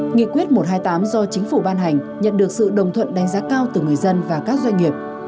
nghị quyết một trăm hai mươi tám do chính phủ ban hành nhận được sự đồng thuận đánh giá cao từ người dân và các doanh nghiệp